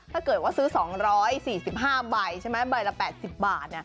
ถ้าเกิดซื้อ๒๔๕ใบใบละ๘๐บาท